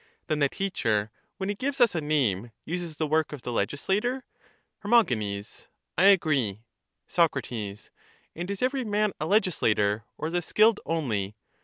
Then the teacher, when he gives us a name, uses the work of the legislator? Her. I agree. Soc. And is every man a legislator, or the skilled only?